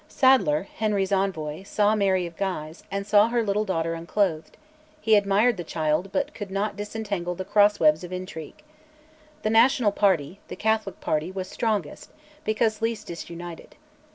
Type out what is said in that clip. Sadleyr, Henry's envoy, saw Mary of Guise, and saw her little daughter unclothed; he admired the child, but could not disentangle the cross webs of intrigue. The national party the Catholic party was strongest, because least disunited.